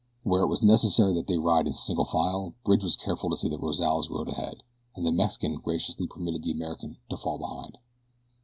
Where it was necessary that they ride in single file Bridge was careful to see that Rozales rode ahead, and the Mexican graciously permitted the American to fall behind.